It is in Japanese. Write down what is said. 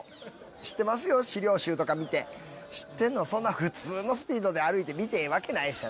知ってますよ資料集とか見て知ってんのをそんな普通のスピードで歩いて見てええわけないですよ。